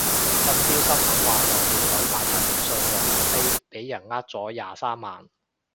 今朝新聞話有條女買陳奕迅黃牛飛俾人呃咗廿三萬